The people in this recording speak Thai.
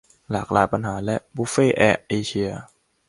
หลากหลายปัญหา กับ บุฟเฟ่ต์แอร์เอเชีย